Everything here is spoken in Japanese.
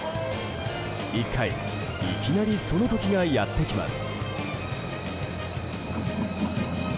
１回、いきなりその時がやってきます。